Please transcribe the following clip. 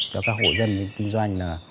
cho các hội dân kinh doanh là